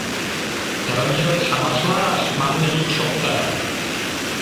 Йырым-йыр «Шабашлаш!» манме йӱк шокта.